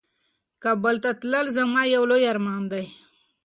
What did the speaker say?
کابل ته تلل زما یو لوی ارمان دی.